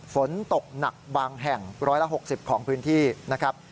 ฝนตกหนักบางแห่ง๑๖๐ของพื้นที่นะครับ